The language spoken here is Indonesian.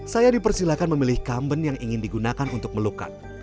saya dipersilakan memilih kamben yang ingin digunakan untuk melukat